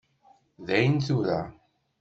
Dayen tura.